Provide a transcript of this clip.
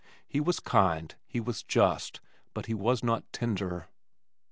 He was kind, he was just, but he was not tender.